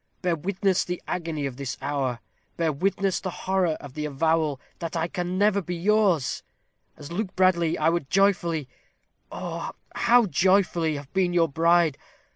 Bear witness the agony of this hour. Bear witness the horror of the avowal, that I never can be yours. As Luke Bradley, I would joyfully oh, how joyfully! have been your bride.